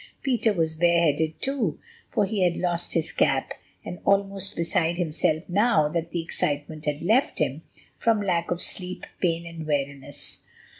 Peter was bare headed too, for he had lost his cap, and almost beside himself now that the excitement had left him, from lack of sleep, pain, and weariness.